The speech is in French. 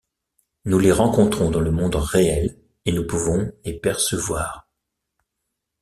Nous les rencontrons dans le monde réel et nous pouvons les percevoir.